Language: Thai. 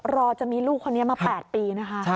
รอจะมีลูกคนนี้มา๘ปีนะคะ